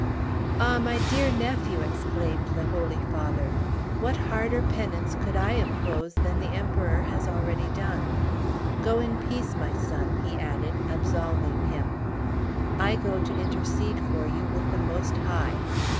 "Ah! my dear nephew," exclaimed the Holy Father, "what harder penance could I impose than the Emperor has already done? Go in peace, my son," he added, absolving him, "I go to intercede for you with the Most High."